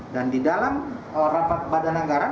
dan di dalam rapat badan anggaran